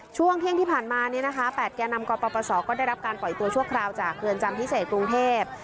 ช่วงเที่ยงที่ผ่านมาเนี่ยนะคะ๘แก่นำกปศก็ได้รับการปล่อยตัวชั่วคราวจากเรือนจำพิเศษกรุงเทพ